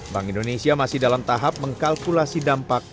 bank indonesia masih dalam tahap mengkalkulasi dampak